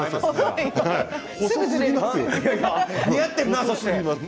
似合っているな。